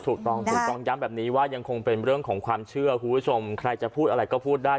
ถูกต้องถูกต้องย้ำแบบนี้ว่ายังคงเป็นเรื่องของความเชื่อคุณผู้ชมใครจะพูดอะไรก็พูดได้